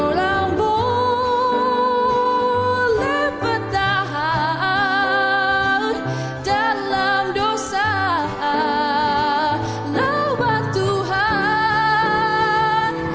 tuhan boleh bertahan dalam dosa lawan tuhan